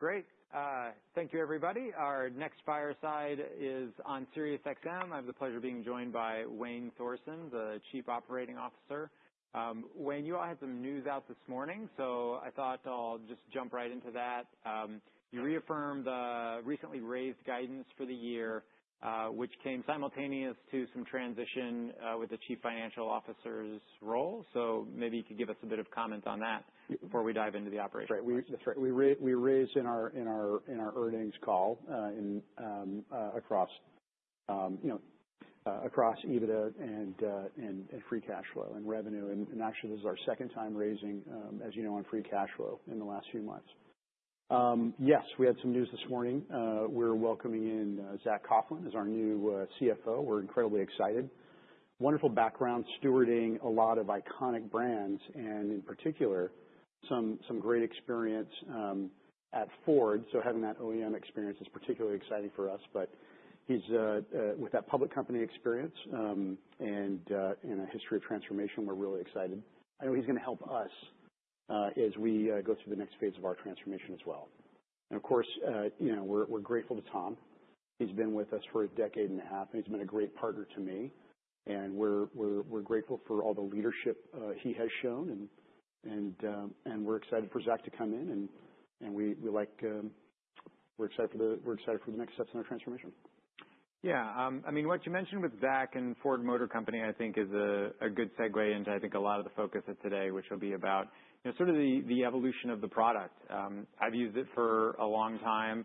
Great. Thank you everybody. Our next fireside is on Sirius XM. I have the pleasure of being joined by Wayne Thorsen, the Chief Operating Officer. Wayne, you all had some news out this morning, so I thought I'll just jump right into that. You reaffirmed, recently raised guidance for the year, which came simultaneous to some transition, with the Chief Financial Officer's role. Maybe you could give us a bit of comment on that before we dive into the operations. That's right. We raised in our earnings call, across EBITDA and free cash flow and revenue. Actually, this is our second time raising, as you know, on free cash flow in the last few months. Yes, we had some news this morning. We're welcoming in Zac Coughlin as our new CFO. We're incredibly excited. Wonderful background stewarding a lot of iconic brands and, in particular, some great experience at Ford. Having that OEM experience is particularly exciting for us. With that public company experience and a history of transformation, we're really excited. I know he's gonna help us as we go through the next phase of our transformation as well. Of course, we're grateful to Tom. He's been with us for a decade and a half, and he's been a great partner to me. We're grateful for all the leadership he has shown. We're excited for Zach to come in. We like, we're excited for the next steps in our transformation. Yeah. I mean, what you mentioned with Zac and Ford Motor Company, I think, is a good segue into, I think, a lot of the focus of today, which will be about, you know, sort of the evolution of the product. I've used it for a long time,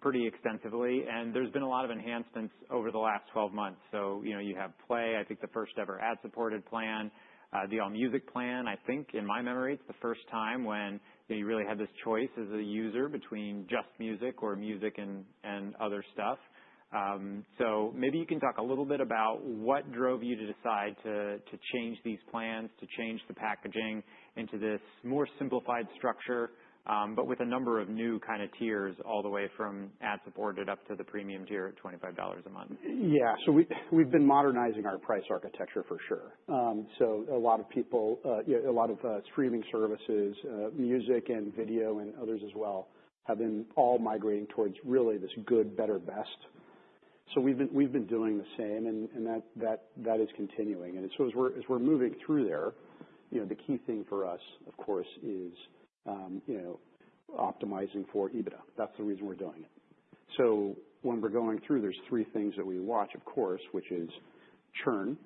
pretty extensively. And there's been a lot of enhancements over the last 12 months. You know, you have Play, I think the first-ever ad-supported plan, the All Music plan. I think, in my memory, it's the first time when, you know, you really had this choice as a user between just music or music and, and other stuff. Maybe you can talk a little bit about what drove you to decide to change these plans, to change the packaging into this more simplified structure, but with a number of new kinda tiers all the way from ad-supported up to the premium tier at $25 a month. Yeah. We've been modernizing our price architecture for sure. So a lot of people, you know, a lot of streaming services, music and video and others as well have been all migrating towards really this good, better, best. We've been doing the same. That is continuing. As we're moving through there, you know, the key thing for us, of course, is, you know, optimizing for EBITDA. That's the reason we're doing it. When we're going through, there are three things that we watch, of course, which is churn.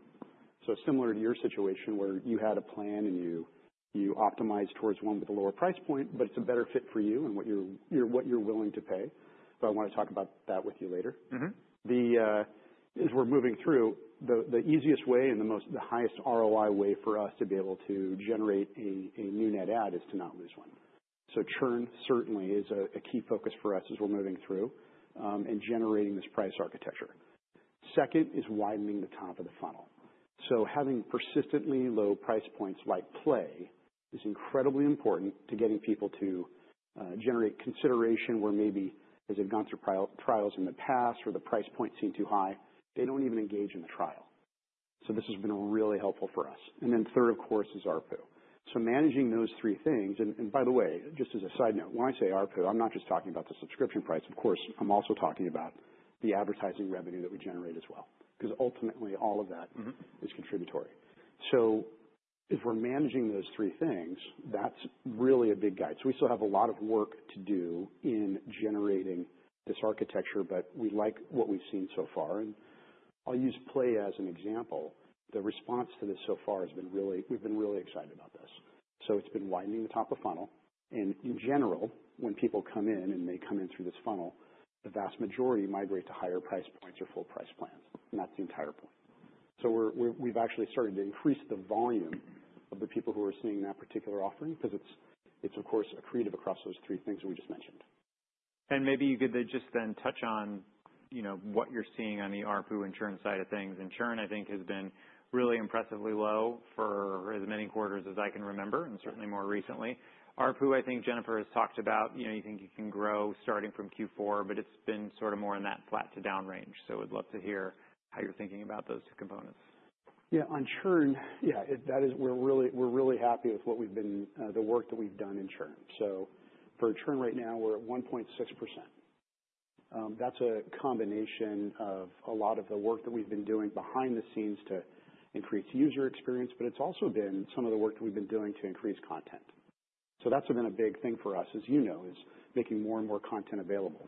Similar to your situation where you had a plan and you optimized towards one with a lower price point, but it's a better fit for you and what you're willing to pay. I want to talk about that with you later. Mm-hmm. As we're moving through, the easiest way and the highest ROI way for us to be able to generate a new net add is to not lose one. Churn certainly is a key focus for us as we're moving through and generating this price architecture. Second is widening the top of the funnel. Having persistently low price points like Play is incredibly important to getting people to generate consideration where maybe, as they've gone through trials in the past or the price point seemed too high, they don't even engage in the trial. This has been really helpful for us. Third, of course, is ARPU. Managing those three things—and, by the way, just as a side note, when I say ARPU, I'm not just talking about the subscription price. Of course, I'm also talking about the advertising revenue that we generate as well 'cause ultimately all of that. Mm-hmm. Is contributory. As we're managing those three things, that's really a big guide. We still have a lot of work to do in generating this architecture, but we like what we've seen so far. I'll use Play as an example. The response to this so far has been really—we've been really excited about this. It's been widening the top of the funnel. In general, when people come in and they come in through this funnel, the vast majority migrate to higher price points or full price plans. That's the entire point. We've actually started to increase the volume of the people who are seeing that particular offering 'cause it's, of course, accretive across those three things that we just mentioned. Maybe you could just then touch on, you know, what you're seeing on the ARPU and churn side of things. Churn, I think, has been really impressively low for as many quarters as I can remember and certainly more recently. ARPU, I think Jennifer has talked about, you know, you think you can grow starting from Q4, but it's been sort of more in that flat to down range. We would love to hear how you're thinking about those two components. Yeah. On churn, yeah, we are really happy with what we have been, the work that we have done in churn. For churn right now, we are at 1.6%. That is a combination of a lot of the work that we have been doing behind the scenes to increase user experience, but it has also been some of the work that we have been doing to increase content. That has been a big thing for us, as you know, is making more and more content available.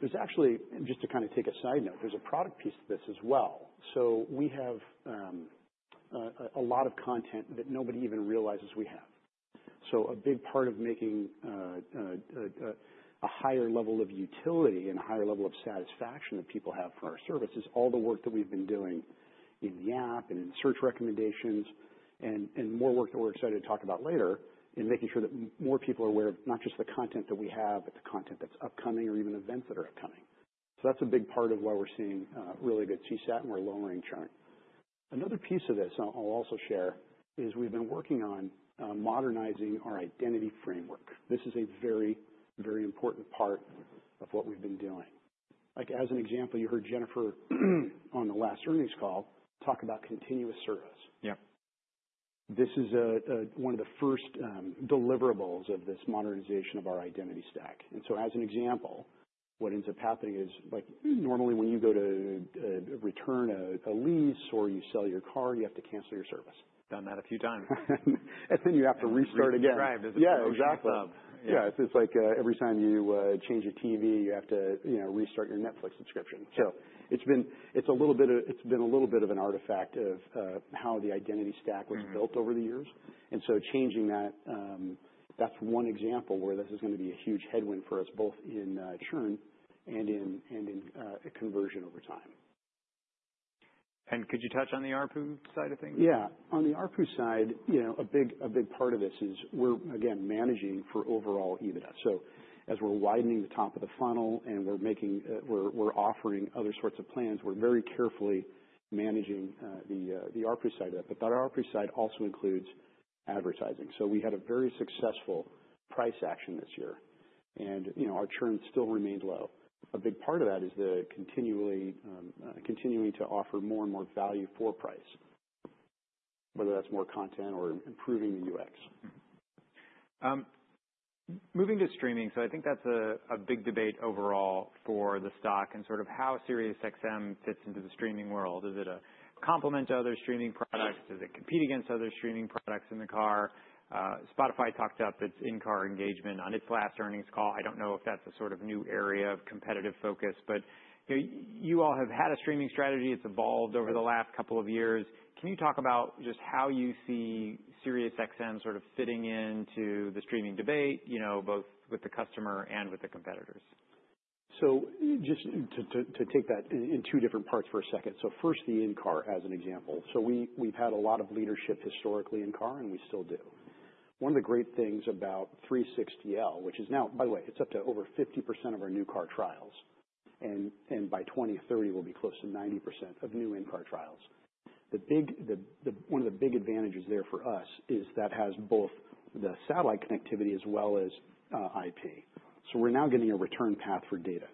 There is actually—and just to kind of take a side note—there is a product piece to this as well. We have a lot of content that nobody even realizes we have. A big part of making a higher level of utility and a higher level of satisfaction that people have for our service is all the work that we've been doing in the app and in search recommendations, and more work that we're excited to talk about later in making sure that more people are aware of not just the content that we have, but the content that's upcoming or even events that are upcoming. That's a big part of why we're seeing really good CSAT and we're lowering churn. Another piece of this I'll also share is we've been working on modernizing our identity framework. This is a very, very important part of what we've been doing. Like, as an example, you heard Jennifer on the last earnings call talk about continuous service. Yep. This is one of the first deliverables of this modernization of our identity stack. As an example, what ends up happening is, like, normally when you go to return a lease or you sell your car, you have to cancel your service. Done that a few times. You have to restart again. Right. Yeah. Exactly. Yeah. It's, it's like, every time you change a TV, you have to, you know, restart your Netflix subscription. It's been, it's a little bit of, it's been a little bit of an artifact of how the identity stack was built over the years. Changing that, that's one example where this is gonna be a huge headwind for us both in churn and in, and in, conversion over time. Could you touch on the ARPU side of things? Yeah. On the ARPU side, you know, a big part of this is we're, again, managing for overall EBITDA. As we're widening the top of the funnel and we're making, we're offering other sorts of plans, we're very carefully managing the ARPU side of it. That ARPU side also includes advertising. We had a very successful price action this year. You know, our churn still remained low. A big part of that is the continually, continuing to offer more and more value for price, whether that's more content or improving the UX. Moving to streaming. I think that's a big debate overall for the stock and sort of how Sirius XM fits into the streaming world. Is it a complement to other streaming products? Does it compete against other streaming products in the car? Spotify talked up its in-car engagement on its last earnings call. I don't know if that's a sort of new area of competitive focus, but, you know, you all have had a streaming strategy. It's evolved over the last couple of years. Can you talk about just how you see Sirius XM sort of fitting into the streaming debate, you know, both with the customer and with the competitors? Just to take that in two different parts for a second. First, the in-car as an example. We've had a lot of leadership historically in car, and we still do. One of the great things about 360L, which is now, by the way, up to over 50% of our new car trials, and by 2030, we'll be close to 90% of new in-car trials. One of the big advantages there for us is that it has both the satellite connectivity as well as IP. We're now getting a return path for data.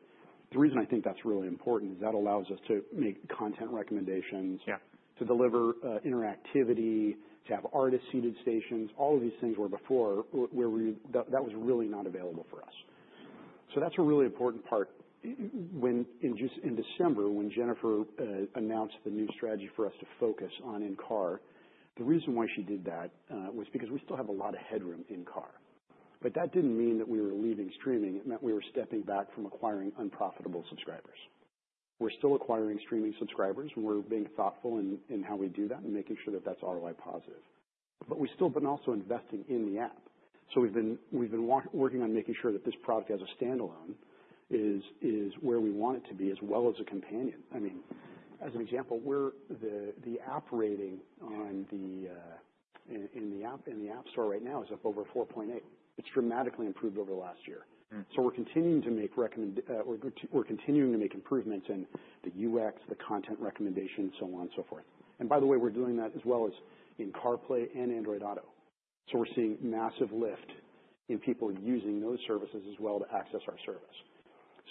The reason I think that's really important is that allows us to make content recommendations. Yeah. To deliver interactivity, to have artist-seated stations. All of these things where before, where we, that was really not available for us. That's a really important part. In December, when Jennifer announced the new strategy for us to focus on in-car—the reason why she did that was because we still have a lot of headroom in car. That didn't mean that we were leaving streaming. It meant we were stepping back from acquiring unprofitable subscribers. We're still acquiring streaming subscribers, and we're being thoughtful in how we do that and making sure that that's ROI positive. We have also been investing in the app. We've been working on making sure that this product as a standalone is where we want it to be as well as a companion. I mean, as an example, the app rating in the app store right now is up over 4.8. It's dramatically improved over the last year. We're continuing to make improvements in the UX, the content recommendation, so on and so forth. By the way, we're doing that as well as in CarPlay and Android Auto. We're seeing massive lift in people using those services as well to access our service.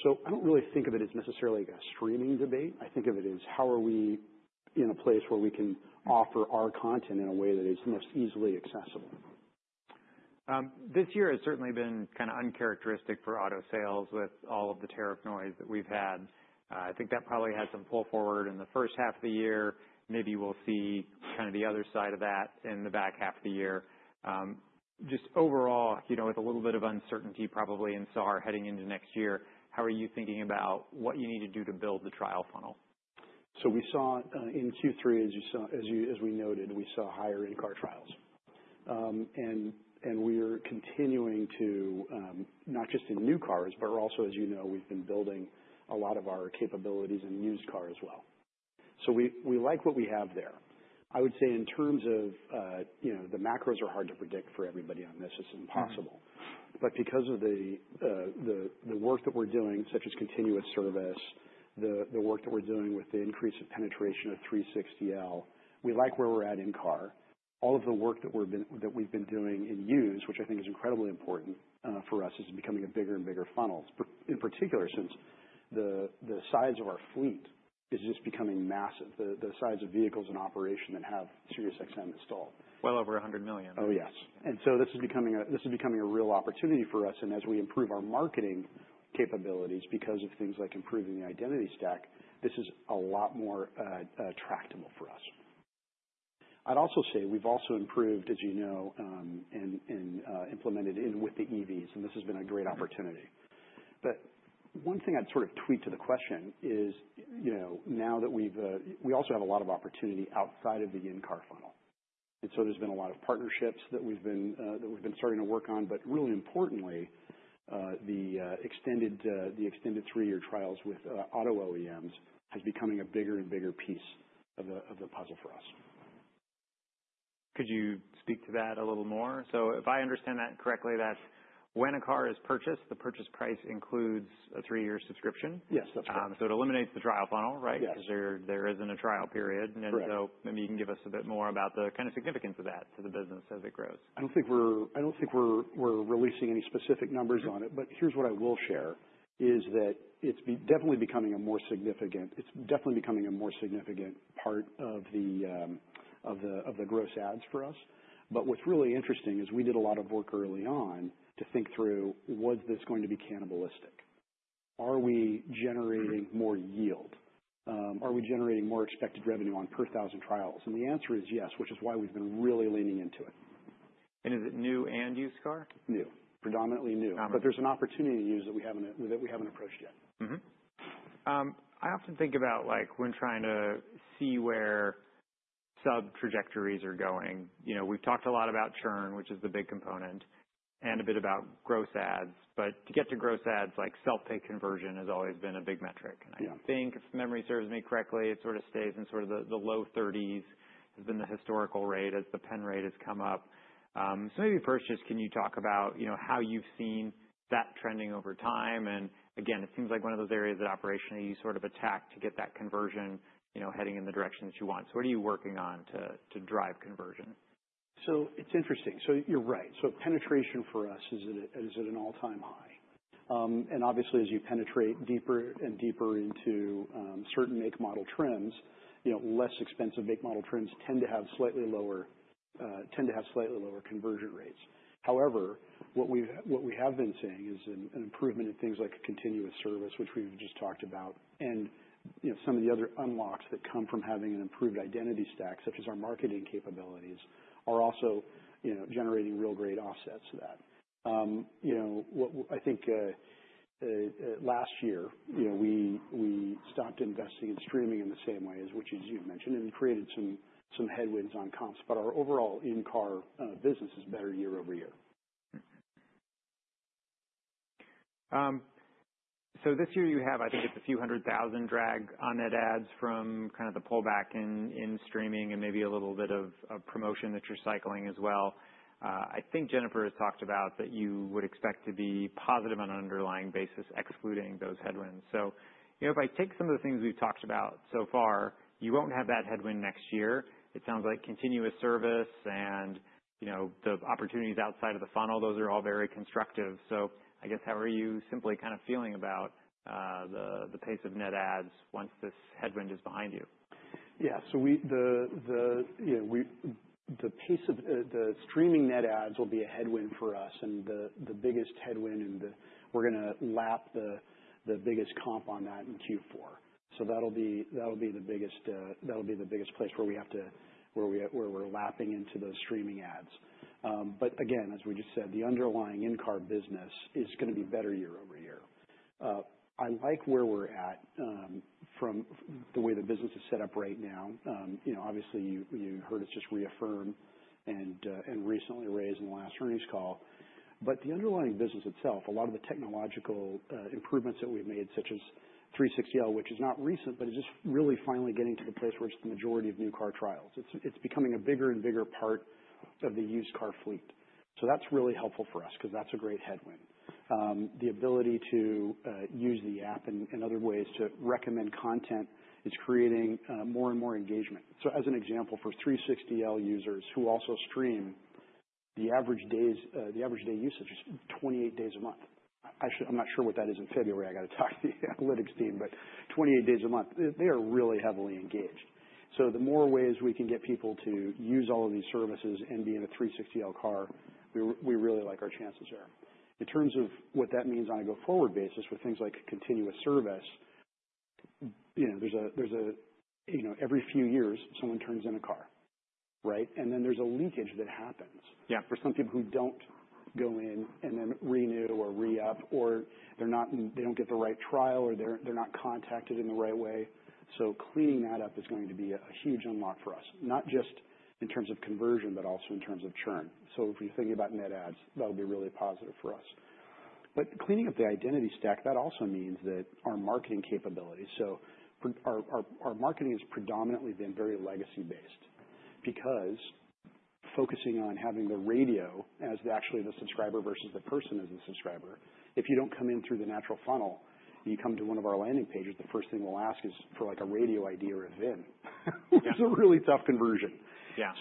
I don't really think of it as necessarily a streaming debate. I think of it as how are we in a place where we can offer our content in a way that is the most easily accessible. This year has certainly been kinda uncharacteristic for auto sales with all of the tariff noise that we've had. I think that probably had some pull forward in the first half of the year. Maybe we'll see kinda the other side of that in the back half of the year. Just overall, you know, with a little bit of uncertainty probably in SAR heading into next year, how are you thinking about what you need to do to build the trial funnel? We saw, in Q3, as you saw as we noted, we saw higher in-car trials, and we are continuing to, not just in new cars, but also, as you know, we've been building a lot of our capabilities in used car as well. We like what we have there. I would say in terms of, you know, the macros are hard to predict for everybody on this. It's impossible. Because of the work that we're doing, such as continuous service, the work that we're doing with the increase of penetration of 360L, we like where we're at in car. All of the work that we've been doing in use, which I think is incredibly important for us, is becoming a bigger and bigger funnel, in particular since the size of our fleet is just becoming massive, the size of vehicles in operation that have SiriusXM installed. Over 100 million. Oh, yes. This is becoming a real opportunity for us. As we improve our marketing capabilities because of things like improving the identity stack, this is a lot more tractable for us. I'd also say we've also improved, as you know, and implemented in with the EVs. This has been a great opportunity. One thing I'd sort of tweak to the question is, you know, now that we've, we also have a lot of opportunity outside of the in-car funnel. There's been a lot of partnerships that we've been starting to work on. Really importantly, the extended three-year trials with auto OEMs is becoming a bigger and bigger piece of the puzzle for us. Could you speak to that a little more? If I understand that correctly, that's when a car is purchased, the purchase price includes a three-year subscription? Yes. That's correct. So it eliminates the trial funnel, right? Yes. 'Cause there isn't a trial period. Correct. Maybe you can give us a bit more about the kinda significance of that to the business as it grows. I don't think we're releasing any specific numbers on it. What I will share is that it's definitely becoming a more significant part of the gross ads for us. What's really interesting is we did a lot of work early on to think through, was this going to be cannibalistic? Are we generating more yield? Are we generating more expected revenue on per thousand trials? The answer is yes, which is why we've been really leaning into it. Is it new and used car? New. Predominantly new. Uh-huh. There's an opportunity to use that we haven't approached yet. Mm-hmm. I often think about, like, when trying to see where sub-trajectories are going. You know, we've talked a lot about churn, which is the big component, and a bit about gross ads. To get to gross ads, like, self-pay conversion has always been a big metric. I think, if memory serves me correctly, it sort of stays in the low 30s, has been the historical rate as the pen rate has come up. So maybe first, just can you talk about, you know, how you've seen that trending over time? Again, it seems like one of those areas that operationally you sort of attack to get that conversion heading in the direction that you want. What are you working on to drive conversion? It's interesting. You're right. Penetration for us is at an all-time high, and obviously, as you penetrate deeper and deeper into certain make model trims, you know, less expensive make model trims tend to have slightly lower conversion rates. However, what we have been seeing is an improvement in things like continuous service, which we've just talked about. And, you know, some of the other unlocks that come from having an improved identity stack, such as our marketing capabilities, are also, you know, generating real great offsets to that. You know, what I think, last year, we stopped investing in streaming in the same way as you've mentioned, and created some headwinds on comps. Our overall in-car business is better year over year. Mm-hmm. So this year you have, I think it's a few hundred thousand drag on net ads from kinda the pullback in, in streaming and maybe a little bit of, of promotion that you're cycling as well. I think Jennifer has talked about that you would expect to be positive on an underlying basis, excluding those headwinds. So, you know, if I take some of the things we've talked about so far, you won't have that headwind next year. It sounds like continuous service and, you know, the opportunities outside of the funnel, those are all very constructive. So I guess, how are you simply kinda feeling about, the, the pace of net ads once this headwind is behind you? Yeah. So the pace of the streaming net ads will be a headwind for us and the biggest headwind. We're gonna lap the biggest comp on that in Q4. That'll be the biggest place where we're lapping into those streaming ads. Again, as we just said, the underlying in-car business is gonna be better year over year. I like where we're at, from the way the business is set up right now. You know, obviously, you heard us just reaffirm and recently raise in the last earnings call. But the underlying business itself, a lot of the technological improvements that we've made, such as 360L, which is not recent, but it's just really finally getting to the place where it's the majority of new car trials. It's becoming a bigger and bigger part of the used car fleet. So that's really helpful for us 'cause that's a great headwind. The ability to use the app and other ways to recommend content is creating more and more engagement. As an example, for 360L users who also stream, the average day usage is 28 days a month. I actually, I'm not sure what that is in February. I gotta talk to the analytics team. But 28 days a month, they are really heavily engaged. The more ways we can get people to use all of these services and be in a 360L car, we really like our chances there. In terms of what that means on a go forward basis with things like continuous service, you know, there's a, you know, every few years, someone turns in a car, right? And then there's a leakage that happens. Yeah. For some people who don't go in and then renew or re-up, or they're not, they don't get the right trial, or they're not contacted in the right way. Cleaning that up is going to be a huge unlock for us, not just in terms of conversion, but also in terms of churn. If you're thinking about net ads, that'll be really positive for us. Cleaning up the identity stack, that also means that our marketing capability, so our marketing has predominantly been very legacy-based because focusing on having the radio as actually the subscriber versus the person as the subscriber. If you don't come in through the natural funnel, you come to one of our landing pages, the first thing we'll ask is for, like, a radio ID or a VIN. Yeah. It's a really tough conversion. Yeah.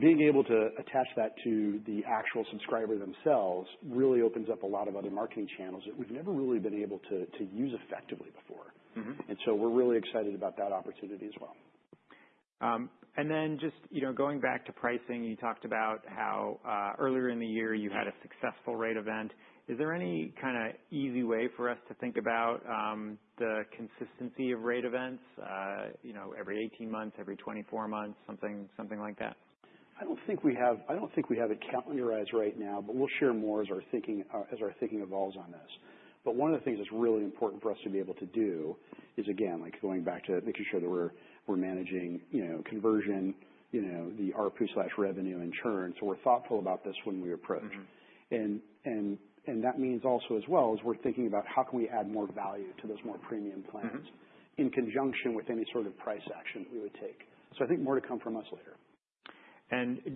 Being able to attach that to the actual subscriber themselves really opens up a lot of other marketing channels that we've never really been able to use effectively before. Mm-hmm. We're really excited about that opportunity as well. and then just, you know, going back to pricing, you talked about how, earlier in the year you had a successful rate event. Is there any kinda easy way for us to think about, the consistency of rate events, you know, every 18 months, every 24 months, something, something like that? I don't think we have it calendarized right now, but we'll share more as our thinking evolves on this. One of the things that's really important for us to be able to do is, again, like, going back to making sure that we're managing, you know, conversion, you know, the ARPU slash revenue and churn. We're thoughtful about this when we approach. Mm-hmm. That means also as well as we're thinking about how can we add more value to those more premium plans in conjunction with any sort of price action that we would take. I think more to come from us later.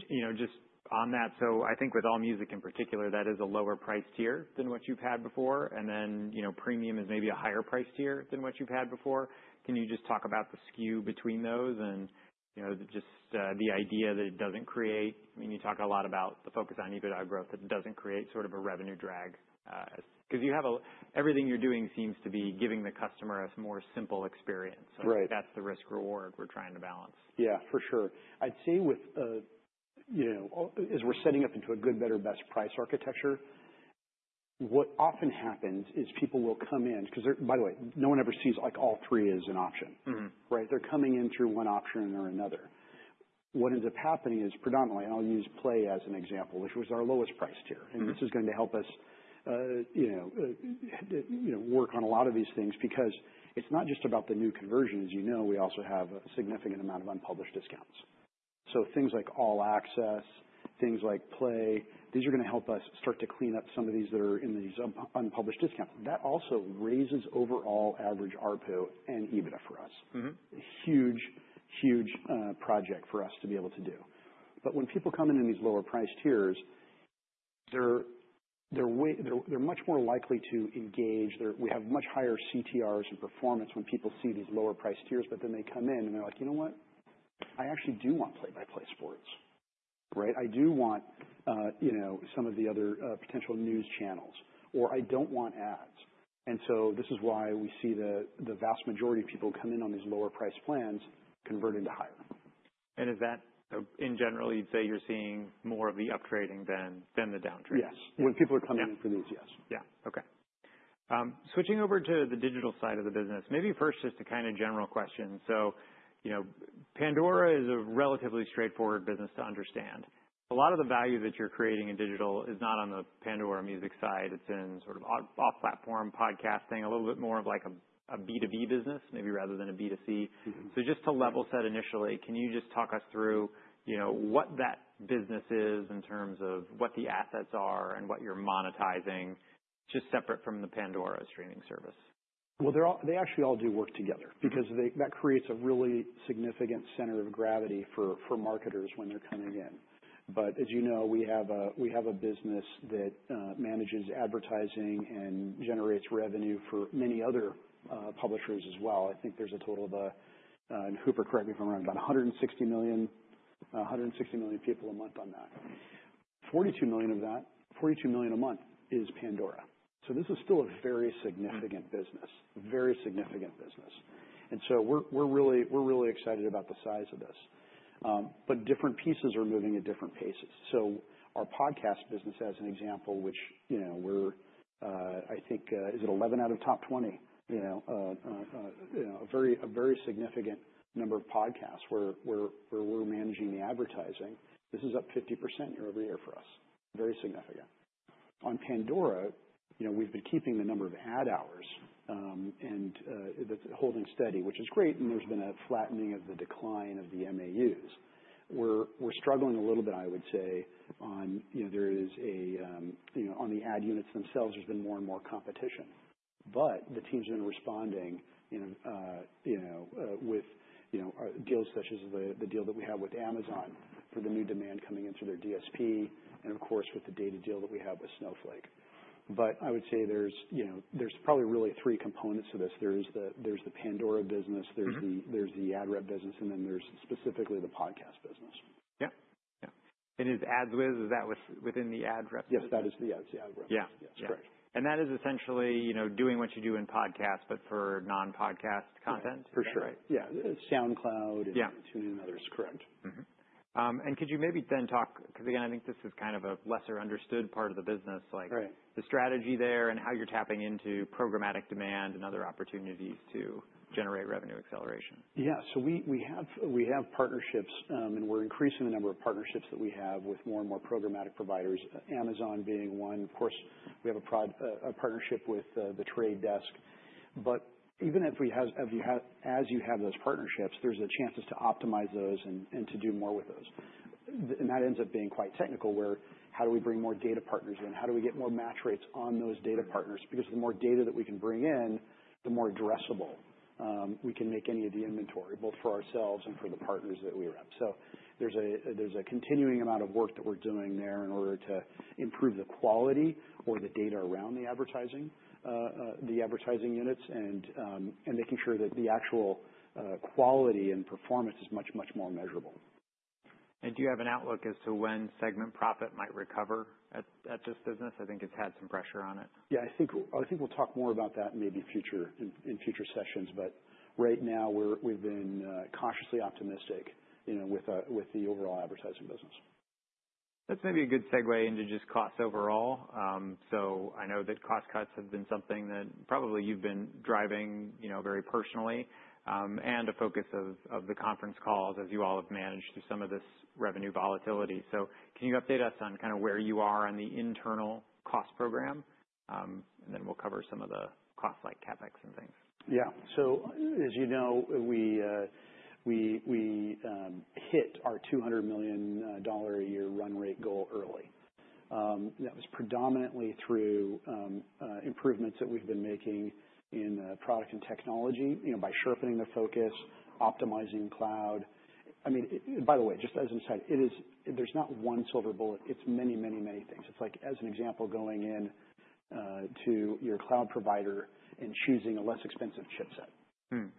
You know, just on that, I think with All Music in particular, that is a lower price tier than what you've had before. And then, you know, premium is maybe a higher price tier than what you've had before. Can you just talk about the skew between those and, you know, just the idea that it doesn't create, I mean, you talk a lot about the focus on EBITDA growth, that it doesn't create sort of a revenue drag, as 'cause you have a, everything you're doing seems to be giving the customer a more simple experience. Right. I think that's the risk-reward we're trying to balance. Yeah. For sure. I'd say with, you know, as we're setting up into a good, better, best price architecture, what often happens is people will come in 'cause they're, by the way, no one ever sees, like, all three as an option. Mm-hmm. Right? They're coming in through one option or another. What ends up happening is predominantly, and I'll use Play as an example, which was our lowest price tier. Mm-hmm. This is going to help us, you know, work on a lot of these things because it's not just about the new conversion. As you know, we also have a significant amount of unpublished discounts. So things like All Access, things like Play, these are gonna help us start to clean up some of these that are in these unpublished discounts. That also raises overall average ARPU and EBITDA for us. Mm-hmm. Huge, huge project for us to be able to do. When people come in in these lower price tiers, they're way, they're much more likely to engage. We have much higher CTRs and performance when people see these lower price tiers. They come in and they're like, "You know what? I actually do want play-by-play sports," right? "I do want, you know, some of the other, potential news channels," or, "I don't want ads." This is why we see the vast majority of people come in on these lower price plans convert into higher. Is that in general, you'd say you're seeing more of the up trading than the down trading? Yes. When people are coming in for these, yes. Yeah. Okay. Switching over to the digital side of the business, maybe first just a kinda general question. So, you know, Pandora is a relatively straightforward business to understand. A lot of the value that you're creating in digital is not on the Pandora music side. It's in sort of off-platform podcasting, a little bit more of like a, a B2B business maybe rather than a B2C. Mm-hmm. Just to level set initially, can you just talk us through, you know, what that business is in terms of what the assets are and what you're monetizing, just separate from the Pandora streaming service? They actually all do work together because that creates a really significant center of gravity for marketers when they're coming in. As you know, we have a business that manages advertising and generates revenue for many other publishers as well. I think there's a total of, and Hooper correct me if I'm wrong, about 160 million people a month on that. 42 million of that, 42 million a month, is Pandora. This is still a very significant business, very significant business. We're really excited about the size of this, but different pieces are moving at different paces. Our podcast business, as an example, which, you know, we're, I think, is it 11 out of top 20, you know, a very significant number of podcasts where we're managing the advertising, this is up 50% year over year for us, very significant. On Pandora, you know, we've been keeping the number of ad hours, and that's holding steady, which is great. There's been a flattening of the decline of the MAUs. We're struggling a little bit, I would say, on, you know, there is a, you know, on the ad units themselves, there's been more and more competition. The team's been responding, you know, with, you know, deals such as the deal that we have with Amazon for the new demand coming into their DSP and, of course, with the data deal that we have with Snowflake. I would say there's, you know, probably really three components to this. There is the Pandora business. There's the ad rep business. Then there's specifically the podcast business. Yeah. Yeah. And is ads with is that within the ad rep? Yes. That is the ad, it's the ad rep. Yeah. Yes. Correct. That is essentially, you know, doing what you do in podcast, but for non-podcast content, right? For sure. Yeah. SoundCloud and. Yeah. TuneIn and others. Correct. Mm-hmm. And could you maybe then talk, 'cause again, I think this is kind of a lesser understood part of the business, like. Right. The strategy there and how you're tapping into programmatic demand and other opportunities to generate revenue acceleration. Yeah. We have partnerships, and we're increasing the number of partnerships that we have with more and more programmatic providers, Amazon being one. Of course, we have a partnership with the Trade Desk. Even if you have those partnerships, there's a chance to optimize those and to do more with those. That ends up being quite technical where, how do we bring more data partners in? How do we get more match rates on those data partners? Because the more data that we can bring in, the more addressable we can make any of the inventory, both for ourselves and for the partners that we rep. There's a continuing amount of work that we're doing there in order to improve the quality or the data around the advertising, the advertising units, and making sure that the actual quality and performance is much, much more measurable. Do you have an outlook as to when segment profit might recover at this business? I think it's had some pressure on it. Yeah. I think we'll talk more about that maybe in future sessions. Right now, we've been cautiously optimistic, you know, with the overall advertising business. That's maybe a good segue into just costs overall. I know that cost cuts have been something that probably you've been driving, you know, very personally, and a focus of the conference calls as you all have managed through some of this revenue volatility. Can you update us on kinda where you are on the internal cost program? And then we'll cover some of the costs like CapEx and things. Yeah. As you know, we hit our $200 million a year run rate goal early. That was predominantly through improvements that we've been making in product and technology, you know, by sharpening the focus, optimizing cloud. I mean, by the way, just as an aside, there's not one silver bullet. It's many, many, many things. It's like, as an example, going in to your cloud provider and choosing a less expensive chipset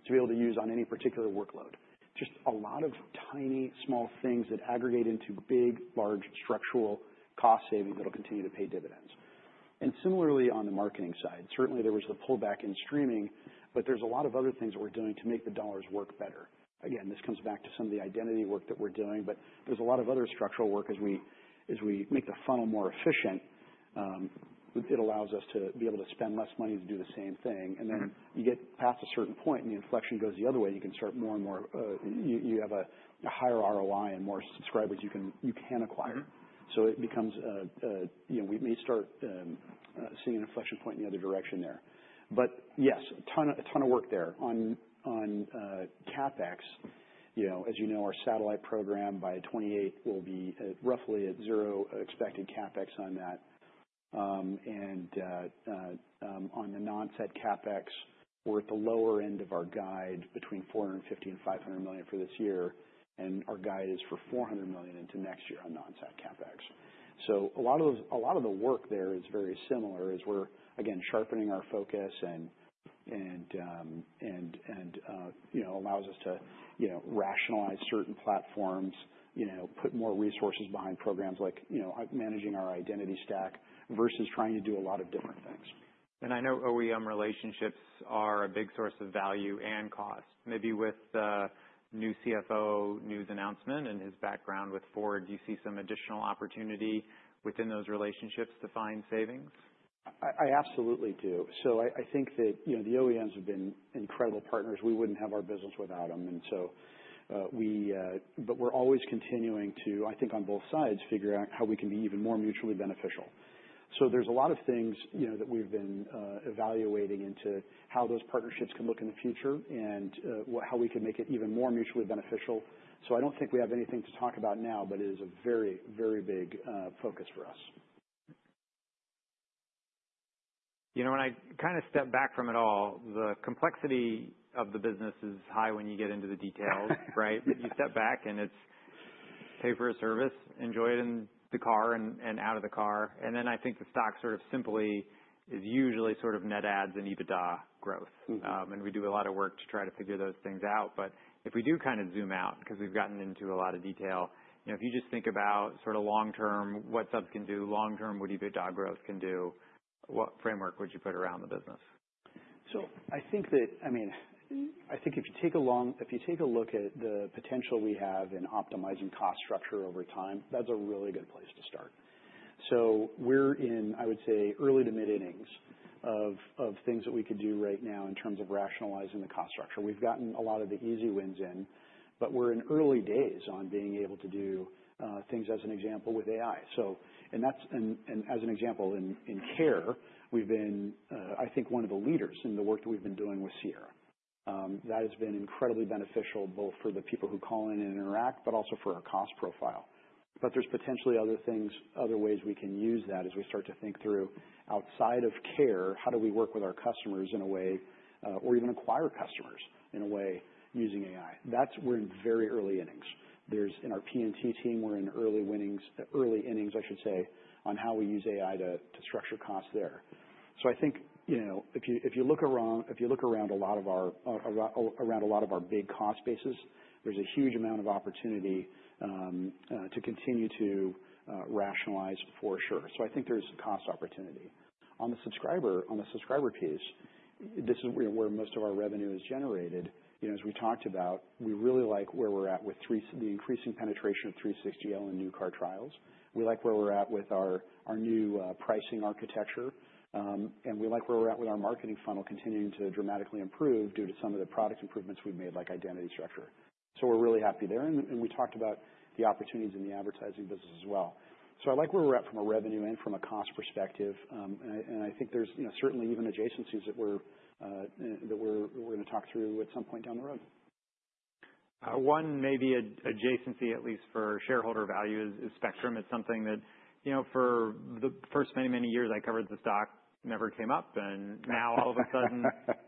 to be able to use on any particular workload. Just a lot of tiny, small things that aggregate into big, large structural cost savings that'll continue to pay dividends. Similarly, on the marketing side, certainly there was the pullback in streaming, but there's a lot of other things that we're doing to make the dollars work better. Again, this comes back to some of the identity work that we're doing, but there's a lot of other structural work as we make the funnel more efficient. It allows us to be able to spend less money to do the same thing. And then. Mm-hmm. You get past a certain point and the inflection goes the other way, you can start more and more, you have a higher ROI and more subscribers you can acquire. Mm-hmm. It becomes, you know, we may start seeing an inflection point in the other direction there. Yes, a ton, a ton of work there on CapEx. You know, as you know, our satellite program by 2028 will be roughly at zero expected CapEx on that. On the non-sat CapEx, we're at the lower end of our guide between $450 million and $500 million for this year. Our guide is for $400 million into next year on non-sat CapEx. A lot of the work there is very similar as we're, again, sharpening our focus and, you know, allows us to rationalize certain platforms, put more resources behind programs like managing our identity stack versus trying to do a lot of different things. I know OEM relationships are a big source of value and cost. Maybe with the new CFO news announcement and his background with Ford, do you see some additional opportunity within those relationships to find savings? I absolutely do. I think that, you know, the OEMs have been incredible partners. We would not have our business without them. We are always continuing to, I think, on both sides, figure out how we can be even more mutually beneficial. There are a lot of things that we have been evaluating into how those partnerships can look in the future and how we can make it even more mutually beneficial. I do not think we have anything to talk about now, but it is a very, very big focus for us. You know, when I kinda step back from it all, the complexity of the business is high when you get into the details, right? You step back and it's pay for a service, enjoy it in the car and, and out of the car. I think the stock sort of simply is usually sort of net ads and EBITDA growth. Mm-hmm. and we do a lot of work to try to figure those things out. If we do kinda zoom out 'cause we've gotten into a lot of detail, you know, if you just think about sort of long-term what subs can do, long-term what EBITDA growth can do, what framework would you put around the business? I think if you take a look at the potential we have in optimizing cost structure over time, that's a really good place to start. We're in, I would say, early to mid-innings of things that we could do right now in terms of rationalizing the cost structure. We've gotten a lot of the easy wins in, but we're in early days on being able to do things, as an example, with AI. As an example, in care, we've been, I think, one of the leaders in the work that we've been doing with Sierra. That has been incredibly beneficial both for the people who call in and interact, but also for our cost profile. There's potentially other things, other ways we can use that as we start to think through outside of care, how do we work with our customers in a way, or even acquire customers in a way using AI? We're in very early earnings. In our P&T team, we're in early earnings, I should say, on how we use AI to structure costs there. I think, you know, if you look around a lot of our big cost bases, there's a huge amount of opportunity to continue to rationalize for sure. I think there's cost opportunity. On the subscriber piece, this is where most of our revenue is generated. You know, as we talked about, we really like where we're at with the increasing penetration of 360L and new car trials. We like where we're at with our new pricing architecture, and we like where we're at with our marketing funnel continuing to dramatically improve due to some of the product improvements we've made, like identity structure. We're really happy there. We talked about the opportunities in the advertising business as well. I like where we're at from a revenue and from a cost perspective, and I think there's certainly even adjacencies that we're going to talk through at some point down the road. One maybe ad-adjacency at least for shareholder value is, is spectrum. It's something that, you know, for the first many, many years I covered the stock, never came up. And now, all of a sudden,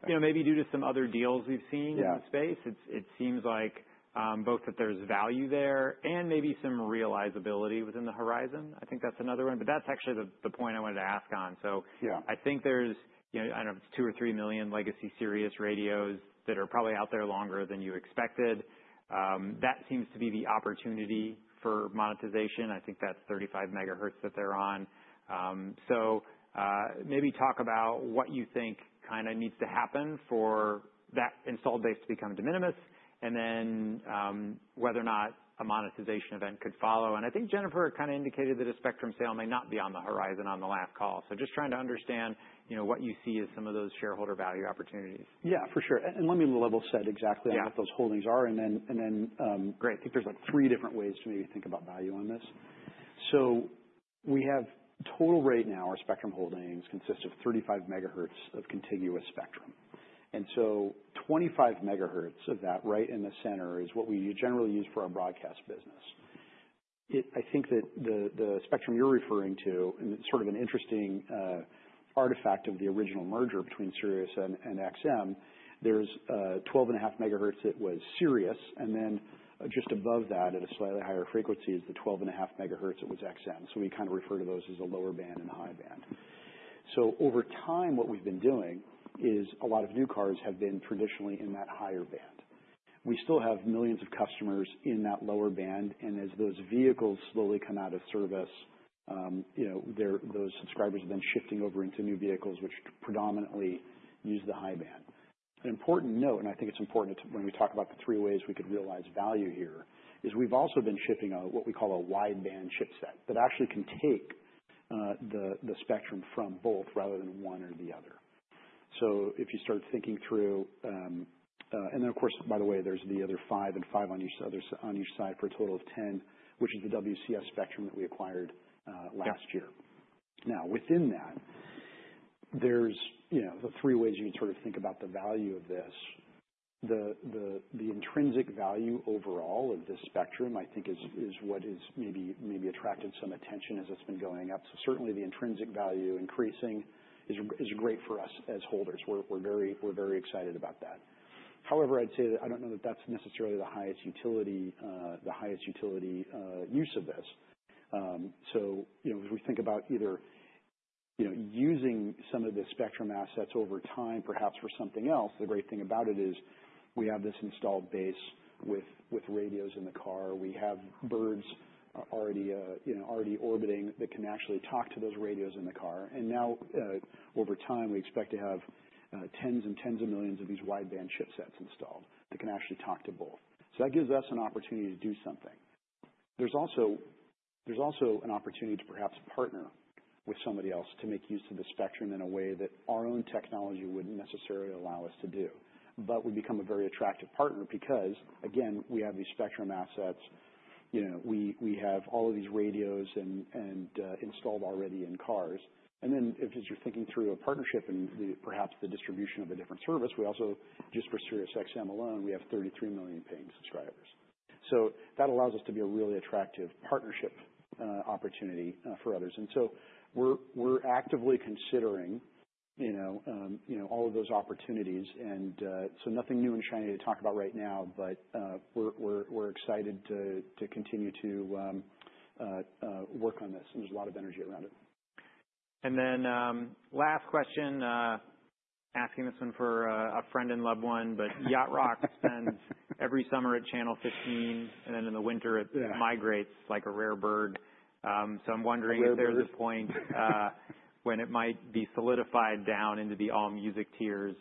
you know, maybe due to some other deals we've seen. Yeah. In the space, it seems like both that there's value there and maybe some realizability within the horizon. I think that's another one. That's actually the point I wanted to ask on. Yeah. I think there's, you know, I don't know if it's 2 or 3 million legacy Sirius radios that are probably out there longer than you expected. That seems to be the opportunity for monetization. I think that's 35 megahertz that they're on. So, maybe talk about what you think kinda needs to happen for that installed base to become de minimis and then, whether or not a monetization event could follow. I think Jennifer kinda indicated that a spectrum sale may not be on the horizon on the last call. Just trying to understand, you know, what you see as some of those shareholder value opportunities. Yeah. For sure. Let me level set exactly on what those holdings are, and then, Great. I think there's like three different ways to maybe think about value on this. We have total right now, our spectrum holdings consist of 35 megahertz of contiguous spectrum. Twenty-five megahertz of that right in the center is what we generally use for our broadcast business. I think that the spectrum you're referring to, and it's sort of an interesting artifact of the original merger between Sirius and XM, there's 12.5 megahertz that was Sirius. Then just above that, at a slightly higher frequency, is the 12.5 megahertz that was XM. We kinda refer to those as a lower band and high band. Over time, what we've been doing is a lot of new cars have been traditionally in that higher band. We still have millions of customers in that lower band. As those vehicles slowly come out of service, you know, those subscribers have been shifting over into new vehicles, which predominantly use the high band. An important note, and I think it's important when we talk about the three ways we could realize value here, is we've also been shipping what we call a wide band chipset that actually can take the spectrum from both rather than one or the other. If you start thinking through, and then, of course, by the way, there's the other five and five on each side for a total of 10, which is the WCS spectrum that we acquired last year. Yeah. Now, within that, there's, you know, the three ways you can sort of think about the value of this. The intrinsic value overall of this spectrum, I think, is what has maybe attracted some attention as it's been going up. Certainly, the intrinsic value increasing is great for us as holders. We're very excited about that. However, I'd say that I don't know that that's necessarily the highest utility, the highest utility use of this. You know, as we think about either using some of the spectrum assets over time, perhaps for something else, the great thing about it is we have this installed base with radios in the car. We have birds already orbiting that can actually talk to those radios in the car. Over time, we expect to have tens and tens of millions of these wide band chipsets installed that can actually talk to both. That gives us an opportunity to do something. There is also an opportunity to perhaps partner with somebody else to make use of the spectrum in a way that our own technology would not necessarily allow us to do, but would become a very attractive partner because, again, we have these spectrum assets. You know, we have all of these radios installed already in cars. If, as you are thinking through a partnership and perhaps the distribution of a different service, we also, just for Sirius XM alone, have 33 million paying subscribers. That allows us to be a really attractive partnership opportunity for others. We're actively considering, you know, all of those opportunities. Nothing new and shiny to talk about right now, but we're excited to continue to work on this. There's a lot of energy around it. Last question, asking this one for a friend and loved one, but Yacht Rock spends every summer at channel 15, and then in the winter it. Yeah. Migrates like a rare bird, so I'm wondering. Weird bird. If there's a point, when it might be solidified down into the All Music tiers,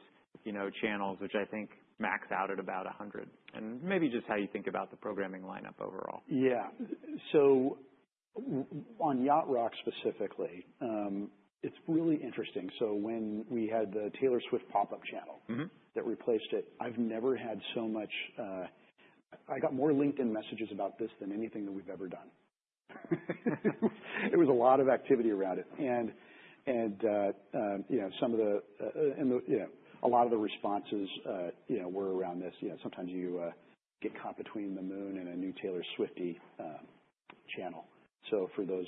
you know, channels, which I think max out at about 100. And maybe just how you think about the programming lineup overall. Yeah. On Yacht Rock specifically, it's really interesting. When we had the Taylor Swift pop-up channel. Mm-hmm. That replaced it, I've never had so much, I got more LinkedIn messages about this than anything that we've ever done. It was a lot of activity around it. You know, some of the, you know, a lot of the responses, you know, were around this. You know, sometimes you get caught between the moon and a new Taylor Swifty channel. For those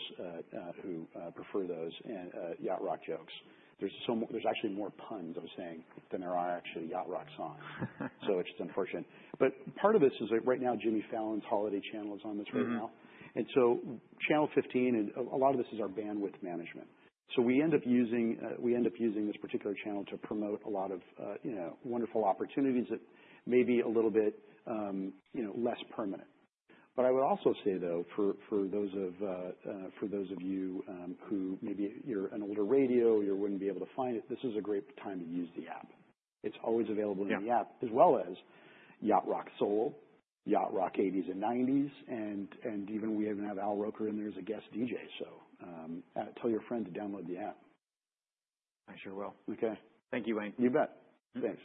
who prefer those and Yacht Rock jokes, there's actually more puns, I was saying, than there are actually Yacht Rock songs. It's just unfortunate. Part of this is that right now, Jimmy Fallon's holiday channel is on this right now. Mm-hmm. Channel 15 and a lot of this is our bandwidth management. We end up using this particular channel to promote a lot of, you know, wonderful opportunities that may be a little bit, you know, less permanent. I would also say, though, for those of you who maybe you're on an older radio or you wouldn't be able to find it, this is a great time to use the app. It's always available in the app. Yeah. As well as Yacht Rock Soul, Yacht Rock '80s and '90s. We even have Al Roker in there as a guest DJ. Tell your friend to download the app. I sure will. Okay. Thank you, Wayne. You bet. Thanks.